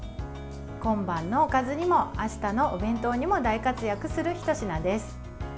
今晩のおかずにもあしたのお弁当にも大活躍するひと品です。